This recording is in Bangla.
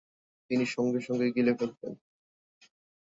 তিনি সঙ্গে সঙ্গে গিলে ফেলতেন।